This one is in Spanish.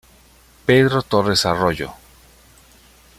Pedro Torres Arroyo.